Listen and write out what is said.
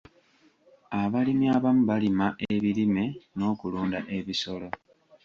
Abalimi abamu balima ebirime n'okulunda ebisolo.